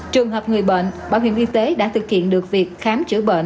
trường hợp người bệnh bảo hiểm y tế đã thực hiện được việc khám chữa bệnh